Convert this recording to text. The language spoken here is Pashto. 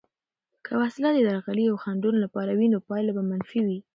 که وسله د درغلي او خنډونو لپاره وي، نو پایله به منفي وي.